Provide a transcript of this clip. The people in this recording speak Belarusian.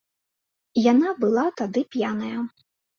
Яна была тады п'яная.